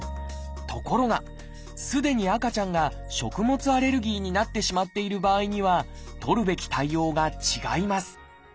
ところがすでに赤ちゃんが食物アレルギーになってしまっている場合には取るべき対応が違います